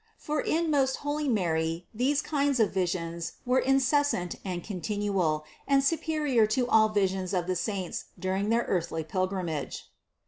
For in most holy Mary these kinds of visions 252 THE CONCEPTION 253 were incessant and continual, and superior to all visions of the saints during their earthly pilgrimage.